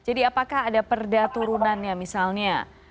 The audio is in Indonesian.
jadi apakah ada perdaturunan ya misalnya